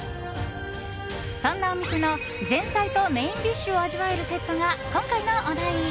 そんなお店の前菜とメインディッシュを味わえるセットが今回のお題。